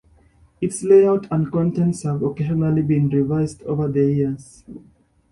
Its layout and contents have occasionally been revised over the years.